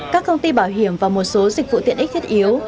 các công ty bảo hiểm và một số dịch vụ tiện ích thiết yếu